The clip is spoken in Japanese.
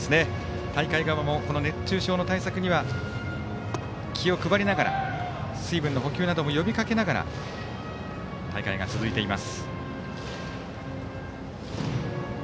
大会側も熱中症の対策には気を配りながら水分の補給なども呼びかけながら大会が続いています。